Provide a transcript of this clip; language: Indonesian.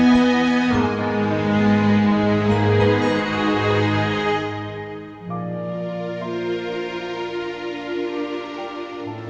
sampai jumpa lagi